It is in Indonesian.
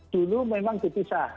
dulu memang dipisah